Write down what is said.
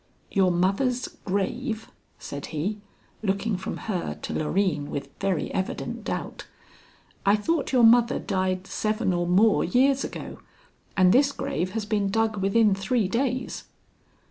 "Your mother's grave?" said he, looking from her to Loreen with very evident doubt. "I thought your mother died seven or more years ago, and this grave has been dug within three days."